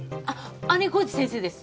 姉小路先生です。